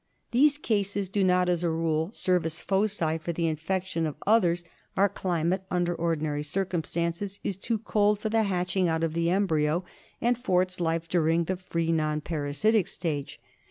These cases do not, as a rule, serve as foci for the infection of others ; our climate, under ordinary circumstances, is too cold for the hatching out of the embryo and for its life during the free non parasitic stage.